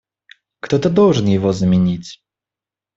Кто-то должен его заменить.